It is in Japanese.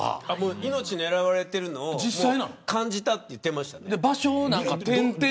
命を狙われているのを感じたと言ってました。